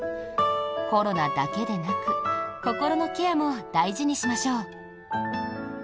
コロナだけでなく心のケアも大事にしましょう。